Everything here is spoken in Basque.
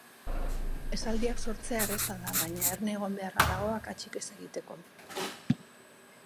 Esaldiak sortzea erraza da, baina erne egon beharra dago akatsik ez egiteko.